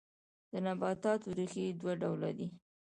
د نباتاتو ریښې دوه ډوله دي